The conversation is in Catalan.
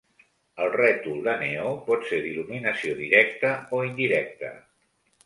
El rètol de neó pot ser d'il·luminació directa o indirecta.